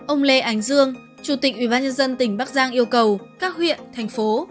ông lê ánh dương chủ tịch ubnd tỉnh bắc giang yêu cầu các huyện thành phố